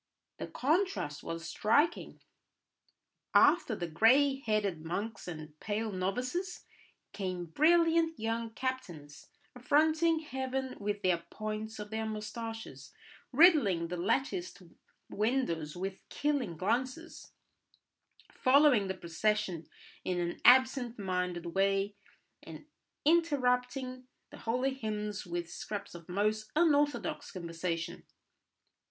The contrast was striking: after the grey headed monks and pale novices came brilliant young captains, affronting heaven with the points of their moustaches, riddling the latticed windows with killing glances, following the procession in an absent minded way, and interrupting the holy hymns with scraps of most unorthodox conversation.